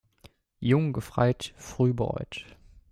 Jung gefreit, früh bereut.